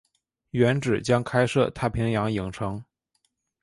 原址将开设太平洋影城。